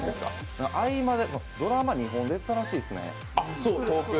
合間で、ドラマに２本出てたらしいですね。